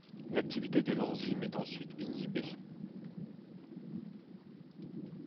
L'activité de l'enzyme est ensuite inhibée.